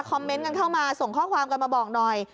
เมนต์กันเข้ามาส่งข้อความกันมาบอกหน่อย